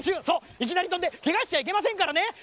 そういきなりとんでけがしちゃいけませんからね。